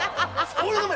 そういうのも！